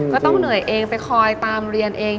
ก็ต้องเหนื่อยเองไปคอยตามเรียนเอง